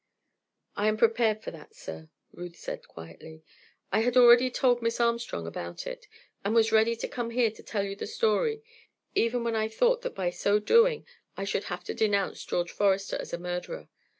"I am prepared for that, sir," Ruth said, quietly; "I had already told Miss Armstrong about it, and was ready to come here to tell you the story even when I thought that by so doing I should have to denounce George Forester as a murderer.